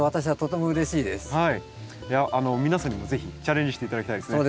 皆さんにも是非チャレンジして頂きたいですね。